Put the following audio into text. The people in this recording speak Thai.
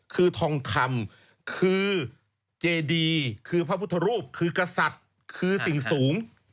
คือทองคำคือเจดีคือพระพุทธรูปคือกษัตริย์คือสิ่งสูง